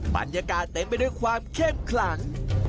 บรรยากาศเต็มไปด้วยความเข้มขลัง